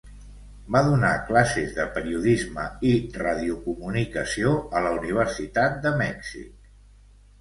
Va donar classes de periodisme i radiocomunicació a la Universitat de Mèxic.